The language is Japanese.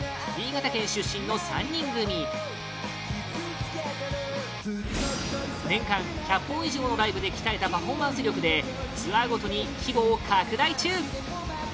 新潟県出身の３人組年間１００本以上のライブで鍛えたパフォーマンス力でツアーごとに規模を拡大中